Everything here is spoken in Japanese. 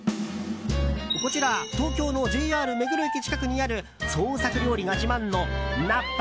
こちら東京のＪＲ目黒駅近くにある創作料理が自慢のなっぱ